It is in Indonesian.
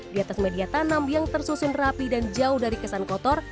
di atas media tanam yang tersusun rapi dan jauh dari kesan kotor